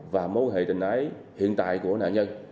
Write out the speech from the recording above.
và mối hệ tình ái hiện tại của nạn nhân